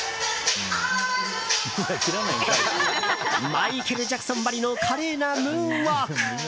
マイケル・ジャクソンばりの華麗なムーンウォーク。